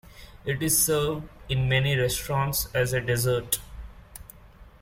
It is served in many restaurants as a dessert.